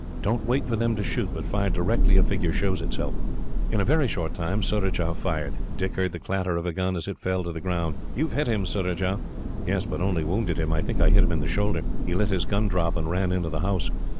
Don't wait for them to shoot, but fire directly a figure shows itself." In a very short time Surajah fired. Dick heard the clatter of a gun, as it fell to the ground. "You have hit him, Surajah." "Yes, but only wounded him. I think I hit him on the shoulder. He let his gun drop, and ran into the house."